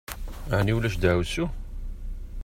Ɛni ulac deɛwessu?